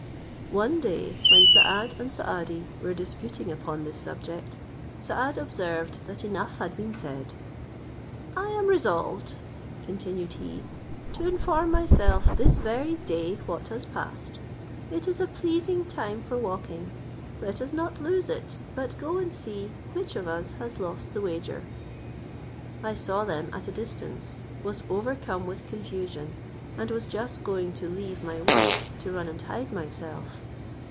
One day, when Saad and Saadi were disputing upon this subject, Saad observed that enough had been said; "I am resolved," continued he, "to inform myself this very day what has passed; it is a pleasing time for walking, let us not lose it, but go and see which of us has lost the wager." I saw them at a distance, was overcome with confusion, and was just going to leave my work, to run and hide myself.